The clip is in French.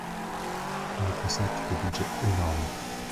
On y consacre des budgets énormes.